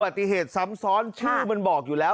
ติเหตุซ้ำซ้อนชื่อมันบอกอยู่แล้ว